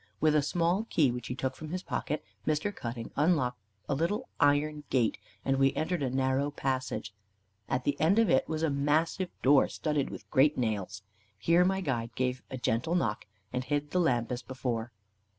With a small key which he took from his pocket, Mr. Cutting unlocked a little iron gate, and we entered a narrow passage. At the end of it was a massive door studded with great nails. Here my guide gave a gentle knock, and hid the lamp as before.